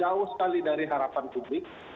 jauh sekali dari harapan publik